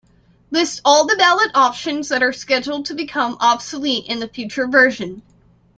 List all the valid options that are scheduled to become obsolete in a future version.